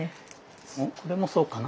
これもそうかな？